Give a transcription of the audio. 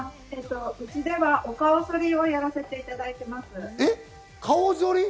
うちでは顔剃りをやらせていただいています。